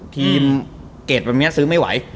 เกรดแบบนี้ซื้อไม่ไหว